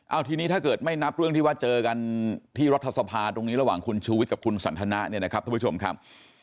เอาทีนี้ถ้าเกิดไม่นับเรื่องที่ว่าเจอกันที่รัฐสภาตรงนี้ระหว่างคุณชูวิทย์กับคุณสันทนะเนี่ยนะครับท่านผู้ชมครับ